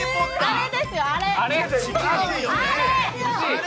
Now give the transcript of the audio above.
あれですよ、あれ。